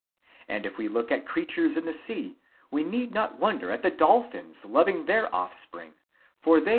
And if we look at creatures in the sea, we need not wonder at the dolphins loving their 155 FLAVIUS PHILOSTRATUS CAP.